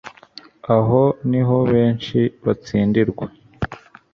Aha ni ho benshi batsindirwa